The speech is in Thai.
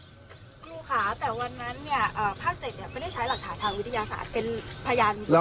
ครูค่ะแต่วันนั้นเนี่ยภาค๗ไม่ได้ใช้หลักฐานทางวิทยาศาสตร์เป็นพยาน